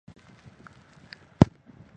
康雅尔蒂海滩。